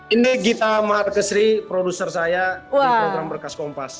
ini gita markesri produser saya di program berkas kompas